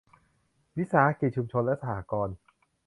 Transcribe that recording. วิสาหกิจชุมชน และสหกรณ์